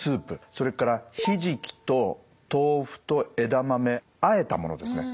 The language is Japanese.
それからひじきと豆腐と枝豆あえたものですね。